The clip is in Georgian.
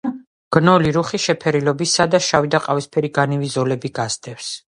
გნოლი რუხი შეფერილობისაა და შავი და ყავისფერი განივი ზოლები გასდევს.